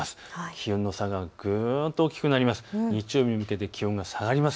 気温の差がぐんと大きくなります。